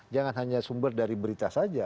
jangan hanya sumber dari berita saja